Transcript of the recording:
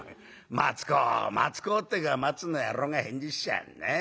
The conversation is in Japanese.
『松公松公』ってえから松の野郎が返事しやるね。